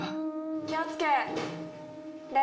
気を付け礼！